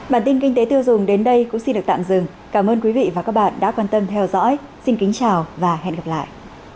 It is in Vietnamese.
bản tin kinh tế tiêu dùng đến đây cũng xin được tạm dừng cảm ơn quý vị và các bạn đã quan tâm theo dõi xin kính chào và hẹn gặp lại